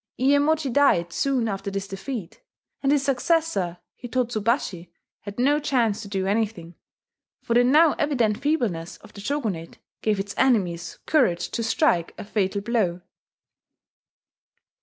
Iyemochi died soon after this defeat; and his successor Hitotsubashi had no chance to do anything, for the now evident feebleness of the Shogunate gave its enemies courage to strike a fatal blow.